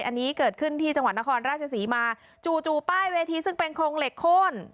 อันนี้เกิดขึ้นที่จังหวัดนครราชศรีมาจู่ป้ายเวทีซึ่งเป็นโครงเหล็กโค้น